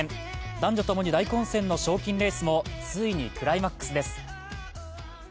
男女共に大混戦の賞金レースも、ついにクライマックスです。